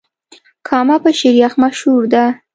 کامه په شيريخ مشهوره ده.